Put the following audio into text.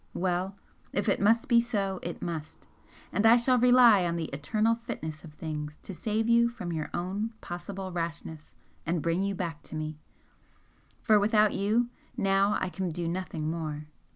Well, if it must be so, it must, and I shall rely on the eternal fitness of things to save you from your own possible rashness and bring you back to me, for without you now I can do nothing more.